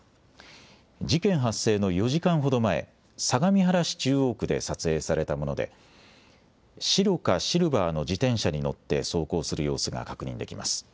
事件発生の４時間ほど前、相模原市中央区で撮影されたもので、白かシルバーの自転車に乗って走行する様子が確認できます。